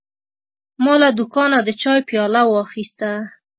ما له دوکانه د چای پیاله واخیسته.